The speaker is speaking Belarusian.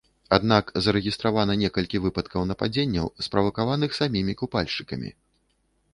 Аднак зарэгістравана некалькі выпадкаў нападзенняў, справакаваных самімі купальшчыкамі.